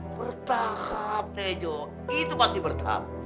bertahap tejo itu pasti bertahap